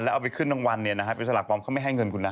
แล้วเอาไปขึ้นทั้งวันไปสลากปลอมเขาไม่ให้เงินคุณนะ